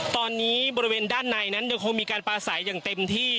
ตอนนี้บริเวณด้านในนั้นยังคงมีการปลาสายอย่างเต็มที่